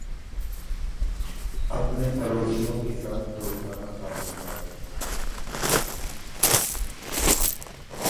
اپنے پڑوسیوں کے ساتھ دوستانہ تعلقات